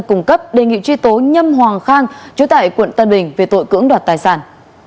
cung cấp đề nghị truy tố nhâm hoàng khang chú tại quận tân bình về tội cưỡng đoạt tài sản